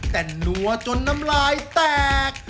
แต่นัวจนน้ำลายแตก